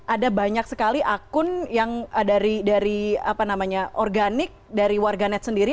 ada banyak sekali akun yang dari organik dari warganet sendiri